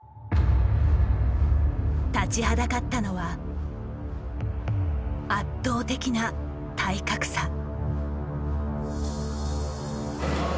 立ちはだかったのは圧倒的な体格差。